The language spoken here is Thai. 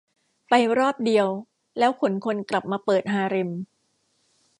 ไปรอบเดียวแล้วขนคนกลับมาเปิดฮาเร็ม